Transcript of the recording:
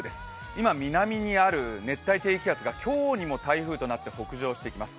今、南にある熱帯低気圧が今日にも台風となって北上してきます。